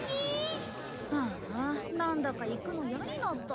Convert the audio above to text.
ああなんだか行くの嫌になった。